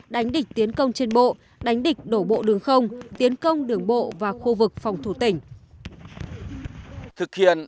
đánh địch tiến công trên bộ đánh địch đổ bộ đường không tiến công đường bộ và khu vực phòng thủ tỉnh